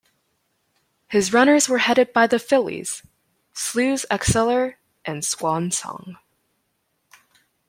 His runners were headed by the fillies Slew's Exceller and Squan Song.